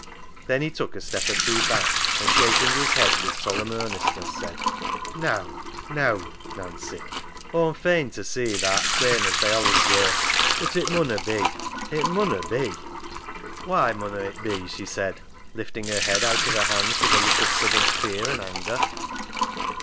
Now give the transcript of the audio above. Then he took a step or two back, and shak ing his head with solemn earnestness, said —" Neaw, neaw, Nancy ! Aw'm fain to see th'art same as tha allis were ; but it munno be, it munno be ?"" Why munno it be ?" she said, lifting her head out of her hands with a look of sudden fear and anger.